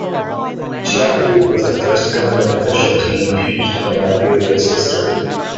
Cheapoo was the first government official to be impeached in Liberia's history.